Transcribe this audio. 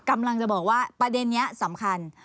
กำลังจะบอกว่าประเด็นนี้สำคัญ